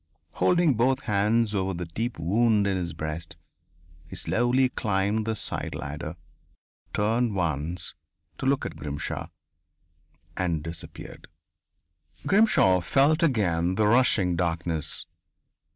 Holding both hands over the deep wound in his breast, he slowly climbed the side ladder, turned once, to look at Grimshaw, and disappeared.... Grimshaw felt again the rushing darkness.